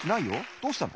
どうしたの？